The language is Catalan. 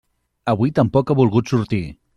Avui tampoc ha volgut sortir.